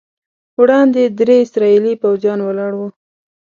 وړاندې درې اسرائیلي پوځیان ولاړ وو.